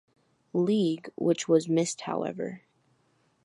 League, which was missed however.